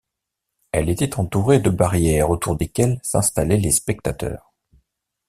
Elle était entourée de barrières autour desquelles s'installaient les spectateurs.